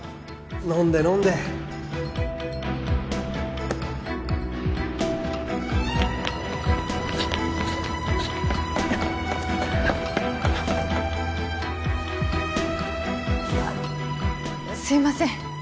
飲んで飲んであっすいません